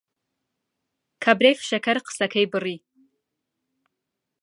کابرای فشەکەر قسەکەی بڕی